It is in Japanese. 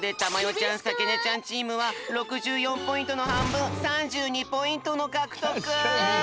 ちゃんさきねちゃんチームは６４ポイントのはんぶん３２ポイントのかくとく！